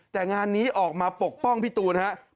แต่งานนี้ออกมาปกป้องพี่ตูนครับ